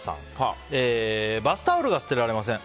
バスタオルが捨てられません。